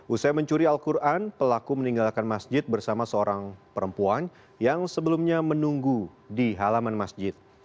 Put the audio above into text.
usai mencuri al quran pelaku meninggalkan masjid bersama seorang perempuan yang sebelumnya menunggu di halaman masjid